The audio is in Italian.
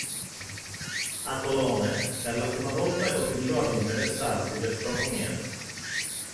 A Tolone, per la prima volta cominciò ad interessarsi di astronomia.